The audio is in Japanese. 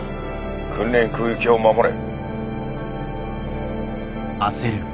訓練空域を守れ。